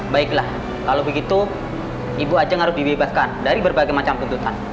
baiklah kalau begitu ibu ajeng harus dibebaskan dari berbagai macam tuntutan